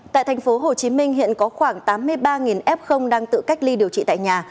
tại thành phố hồ chí minh hiện có khoảng tám mươi ba f đang tự cách ly điều trị tại nhà